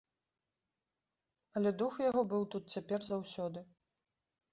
Але дух яго быў тут цяпер заўсёды.